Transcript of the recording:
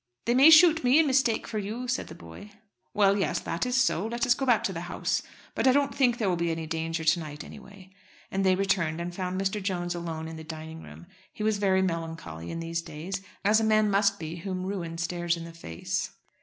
"They may shoot me in mistake for you," said the boy. "Well, yes; that is so. Let us go back to the house. But I don't think there would be any danger to night anyway." Then they returned, and found Mr. Jones alone in the dining room. He was very melancholy in these days, as a man must be whom ruin stares in the face.